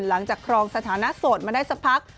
หลังจากครองสถานะสดมาได้สักพัก